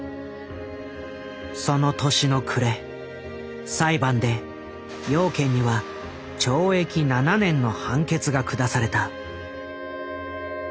その年の暮れ裁判で養賢には懲役７年の判決が下された。